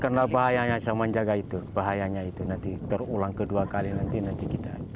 karena bahayanya saya menjaga itu bahayanya itu nanti terulang kedua kali nanti kita